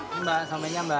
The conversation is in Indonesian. ini mbak sampainya mbak